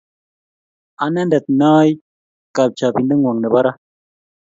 Anendet ne ai kachapindengwong nebo ra